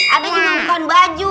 ada juga yang bukan baju